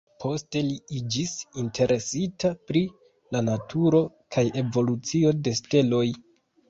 Poste li iĝis interesita pri la naturo kaj evolucio de steloj.